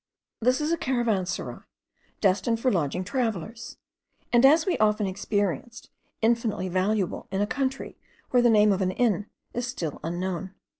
This is a caravanserai, destined for lodging travellers; and, as we often experienced, infinitely valuable in a country where the name of an inn is still unknown.